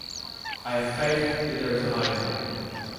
I have faith that there is a higher being.